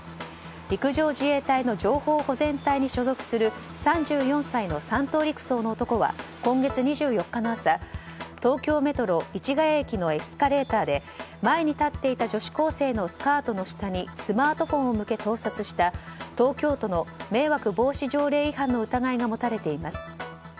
陸上自衛隊の情報保全隊に所属する３４歳の３等陸曹の男は今月２４日の朝東京メトロ市ヶ谷駅のエスカレーターで前に立っていた女子高生のスカートの下にスマートフォンを向け、盗撮した東京都の迷惑防止条例違反の疑いが持たれています。